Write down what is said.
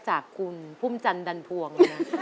จากคุณภุ่มจันดันพวง